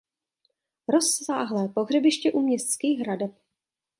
Rozsáhlé pohřebiště u městských hradeb.